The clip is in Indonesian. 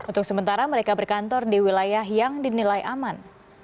untuk sementara mereka berkantor di wilayah yang dinilai aman